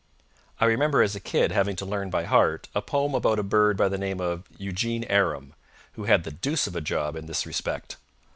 I remember, as a kid, having to learn by heart a poem about a bird by the name of Eugene Aram, who had the deuce of a job in this respect.